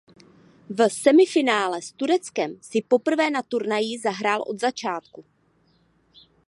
V semifinále s Tureckem si poprvé na turnaji zahrál od začátku.